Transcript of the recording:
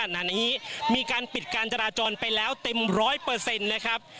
นานี้มีการปิดการจราจรไปแล้วเต็มร้อยเปอร์เซ็นต์นะครับ